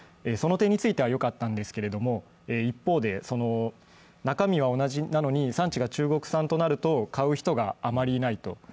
その点についてはよかったんですけれども、一方で、中身は同じなのに産地が中国産となると買う人があまりいないと。